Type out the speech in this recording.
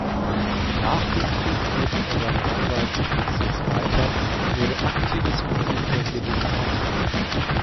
Nach dem Krieg führte er seine Anwaltspraxis weiter und wurde aktives Mitglied der Demokraten.